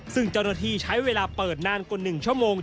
ซึ่งเจ้าหน้าที่ใช้เวลาเปิดนานกว่า๑ชั่วโมง